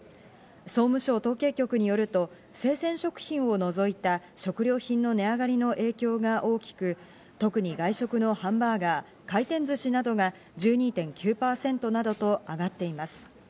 総務省統計局によると、生鮮食品を除いた食料品の値上がりの影響が大きく、特に外食のハンバーガー、回転ずしなどが１２．９％などと上がっています。